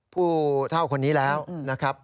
ผู้เท่าคนนี้แล้วนะครับ